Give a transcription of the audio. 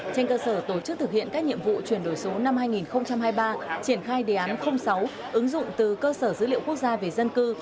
trên cơ sở tổ chức thực hiện các nhiệm vụ chuyển đổi số năm hai nghìn hai mươi ba triển khai đề án sáu ứng dụng từ cơ sở dữ liệu quốc gia về dân cư